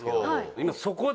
今そこで。